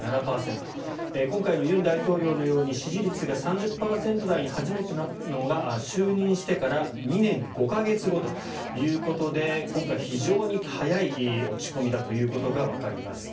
今回の尹大統領のように支持率が３０％台に初めてなるのが、就任してから２年５か月後ということで今回、非常に早い落ち込みだということがわかります。